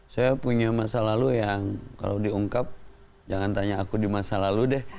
saya punya masa lalu yang kalau diungkap jangan tanya aku di masa lalu deh